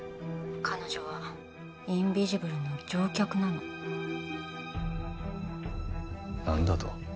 彼女はインビジブルの上客なの何だと？